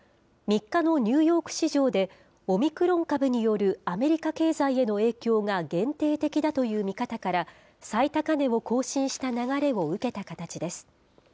３日のニューヨーク市場で、オミクロン株によるアメリカ経済への影響が限定的だという見方から、最高値を更新した流れを受けた形です。